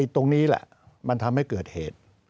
ตรงนี้แหละมันทำให้เกิดเหตุ